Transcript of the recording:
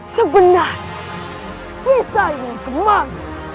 sebenarnya bisa yang kemarin